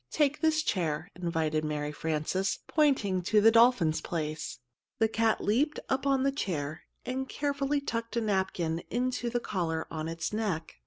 "Take this chair," invited Mary Frances, pointing to the dolphin's place. The cat leaped up on the chair, and carefully tucked a napkin into the collar on its neck.